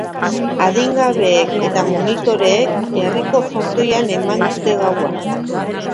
Adingabeek eta monitoreek herriko frontoian eman dute gaua.